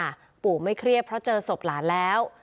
เพราะปู่ไม่เครียบเพราะเจอสบร้านแล้ว